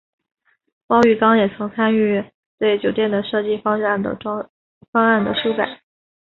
包玉刚也曾参与对酒店的设计方案的修改。